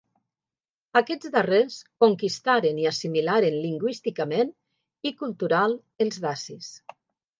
Aquests darrers conquistaren i assimilaren lingüísticament i cultural els dacis.